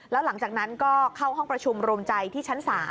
แล้วหลังจากนั้นก็เข้าห้องประชุมโรมใจที่ชั้น๓